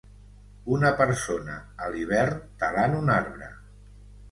Una persona a l'hivern talant un arbre.